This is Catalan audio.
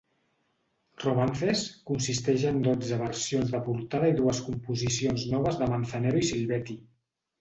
"Romances" consisteix en dotze versions de portada i dues composicions noves de Manzanero i Silvetti.